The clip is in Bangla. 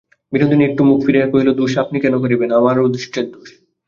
বিনোদিনী একটু মুখ ফিরাইয়া কহিল, দোষ আপনি কেন করিবেন, আমার অদৃষ্টের দোষ।